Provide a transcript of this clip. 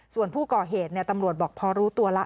ส่วนผู้ก่อเหตุตำรวจบอกพอรู้ตัวแล้ว